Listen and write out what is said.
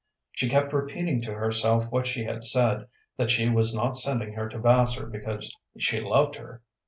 She kept repeating to herself what she had said, that she was not sending her to Vassar because she loved her.